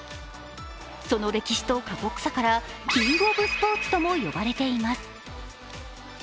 その歴史と過酷さからキング・オブ・スポーツとも呼ばれています。